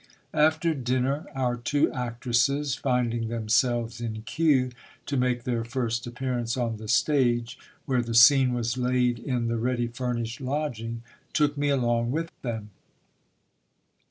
After dinner, our two actresses, finding themselves in cue to make their first appearance on the stage, where the scene was laid in the ready furnished lodging, took me along with them.